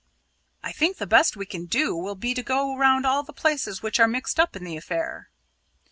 "I think the best thing we can do will be to go round all the places which are mixed up in this affair."